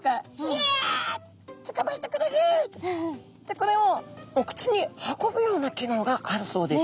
これをお口に運ぶような機能があるそうです。